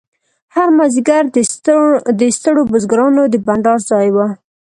هر مازیګر د ستړو بزګرانو د بنډار ځای و.